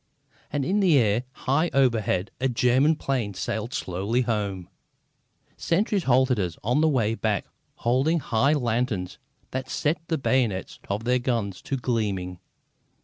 And in the air, high overhead, a German plane sailed slowly home. Sentries halted us on the way back holding high lanterns that set the bayonets of their guns to gleaming.